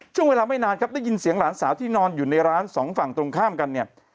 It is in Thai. ช่วงเวลาไม่นานครับได้ยินเสียงหลานสาวที่นอนอยู่ในร้านสองฝั่งตรงข้ามกันเนี่ย